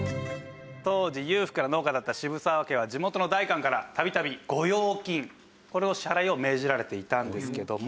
当時裕福な農家だった渋沢家は地元の代官から度々御用金これの支払いを命じられていたんですけども。